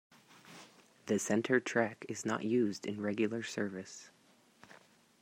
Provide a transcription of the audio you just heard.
The center track is not used in regular service.